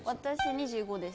２５です